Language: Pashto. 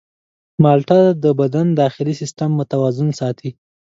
مالټه د بدن داخلي سیستم متوازن ساتي.